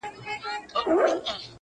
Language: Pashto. o تبه زما ده، د بدن شمه ستا ختلې ده.